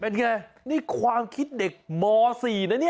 เป็นไงนี่ความคิดเด็กม๔นะเนี่ย